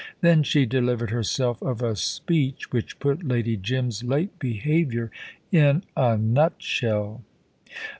Then she delivered herself of a speech which put Lady Jim's late behaviour in a nutshell.